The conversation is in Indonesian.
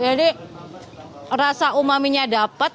jadi rasa umaminya dapat